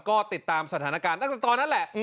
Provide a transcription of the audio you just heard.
ก็ติดตามสถานการณ์ตั้งแต่ตอนนั้นแหละ